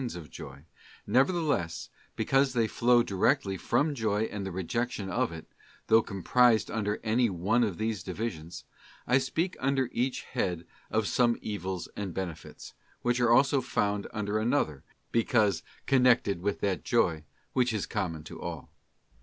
of joy, nevertheless, because they flow directly from joy and the rejection of it—though comprised under any one of these divisions—I speak under each head of some evils and benefits, which are also found under another, because connected with that joy which is common to all.